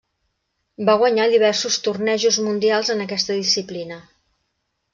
Va guanyar diversos tornejos mundials en aquesta disciplina.